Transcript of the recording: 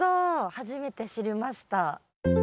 初めて知りました。